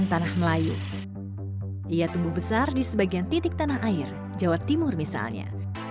tanah melayu ia tumbuh besar di sebagian titik tanah air jawa timur misalnya